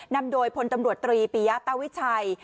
นำโดยพลตำรวจตรีปียะตาวิชัย